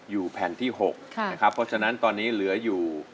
แผ่นที่๖นะครับเพราะฉะนั้นตอนนี้เหลืออยู่